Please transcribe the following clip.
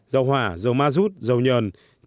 dầu hỏa dầu ma rút dầu nhờn